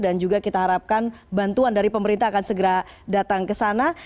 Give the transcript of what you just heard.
dan juga kita harapkan bantuan dari pemerintah akan segera datang ke sana